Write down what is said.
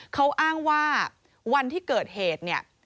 เขาอ้างว่าวันที่เกิดเหตุเนี่ย